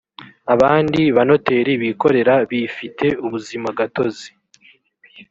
abandi banoteri bikorera bifite ubuzimagatozi